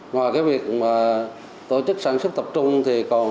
ngoài cái việc mà tổ chức sản xuất tập trung thì còn